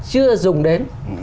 chưa dùng đến